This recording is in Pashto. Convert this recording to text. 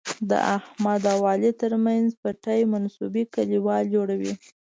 د احمد او علي تر منځ پټې منصوبې کلیوال جوړوي.